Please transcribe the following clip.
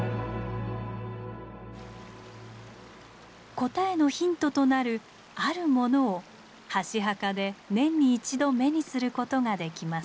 答えのヒントとなるあるものを箸墓で年に一度目にすることができます。